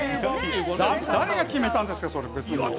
誰が決めたんですか？